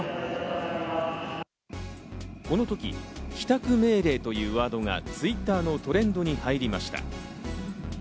このとき「帰宅命令」というワードがＴｗｉｔｔｅｒのトレンドに入りました。